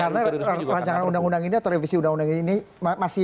karena rancangan undang undang ini atau revisi undang undang ini